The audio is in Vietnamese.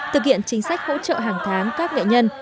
thực hiện chính sách hỗ trợ hàng tháng các nghệ nhân